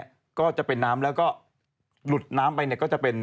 ซึ่งตอน๕โมง๔๕นะฮะทางหน่วยซิวได้มีการยุติการค้นหาที่